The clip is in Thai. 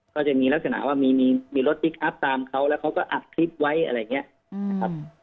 ก็จะมีลักษณะว่ามีรถพลิกอัพตามเขาแล้วเขาก็อัดคลิปไว้อะไรอย่างนี้นะครับ